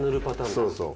そうそう。